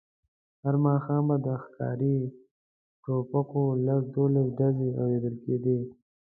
هر ماښام به د ښکاري ټوپکو لس دولس ډزې اورېدل کېدې.